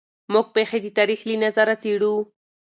موږ پېښې د تاریخ له نظره څېړو.